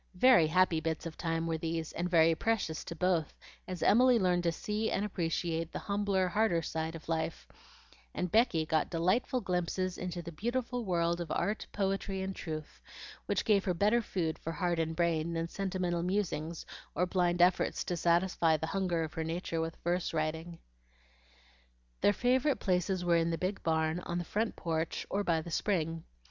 Very happy bits of time were these, and very precious to both, as Emily learned to see and appreciate the humbler, harder side of life, and Becky got delightful glimpses into the beautiful world of art, poetry, and truth, which gave her better food for heart and brain than sentimental musings or blind efforts to satisfy the hunger of her nature with verse writing. Their favorite places were in the big barn, on the front porch, or by the spring.